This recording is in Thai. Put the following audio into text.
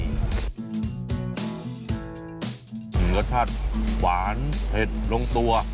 รสชาติหวานเผ็ดลงตัว